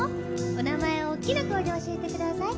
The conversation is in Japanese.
おなまえおっきなこえでおしえてください。